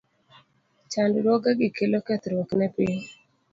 Chandruogegi kelo kethruok ne piny.